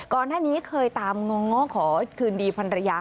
ก่อนหน้านี้เคยตามง้อง้อขอคืนดีพันรยา